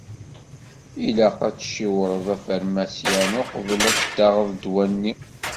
Ilaq ad tciwṛeḍ afermasyan uqbel ad d-taɣeḍ ddwa-nni.